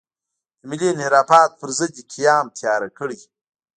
د ملي انحرافاتو پر ضد دې قیام تیاره کړي.